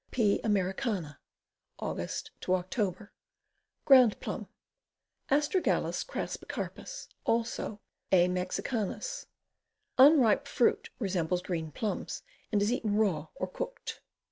P. Americana. Aug. Oct. Ground Plum. Astragalus crassicarpus; also A. Mexi canus. Unripe fruit resembles green plums, and is eaten raw or cooked.